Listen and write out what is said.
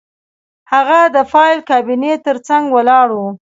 هغه د فایل کابینې ترڅنګ ولاړ و